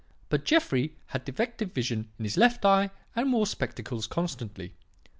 But Jeffrey had defective vision in his left eye and wore spectacles constantly.